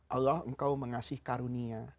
allah engkau mengasih karunia